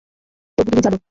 তবে তুমি জানো।